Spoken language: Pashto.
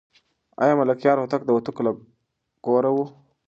آیا ملکیار هوتک د هوتکو له کوره و؟